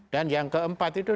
dan yang keempat itu